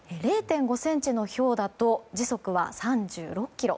０．５ｃｍのひょうだと時速は３６キロ。